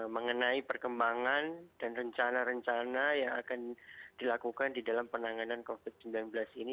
mengenai perkembangan dan rencana rencana yang akan dilakukan di dalam penanganan covid sembilan belas ini